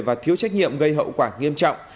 và thiếu trách nhiệm gây hậu quả nghiêm trọng